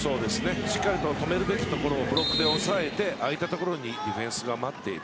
しっかり止めるべきところをブロックで抑えて空いたところにディフェンスが待っている。